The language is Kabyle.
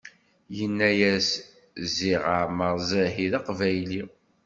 Yenna-yas ziɣ Ɛmer Zzahi d aqbayli!